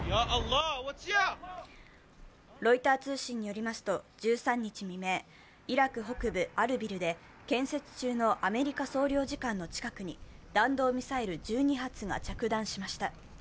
ロイター通信によりますと、１３日未明、イラク北部アルビルで、建設中のアメリカ総領事館近くに弾道ミサイル１２発が着弾しました。